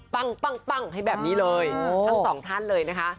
ปั้งให้แบบนี้เลยทั้งสองท่านเลยนะคะ